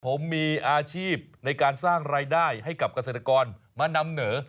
ผมมีอาชีพในการสร้างรายได้ให้กับเกษตรกรมานำเหนอ